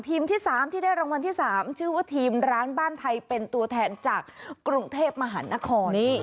ที่๓ที่ได้รางวัลที่๓ชื่อว่าทีมร้านบ้านไทยเป็นตัวแทนจากกรุงเทพมหานคร